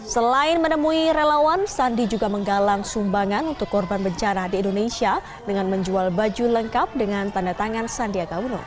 selain menemui relawan sandi juga menggalang sumbangan untuk korban bencana di indonesia dengan menjual baju lengkap dengan tanda tangan sandiaga uno